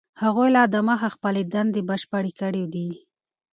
هغوی لا دمخه خپلې دندې بشپړې کړي دي.